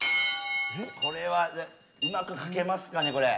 これはうまく描けますかねこれ。